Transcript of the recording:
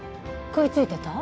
食いついてた？